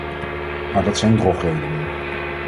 Maar dat zijn drogredenen.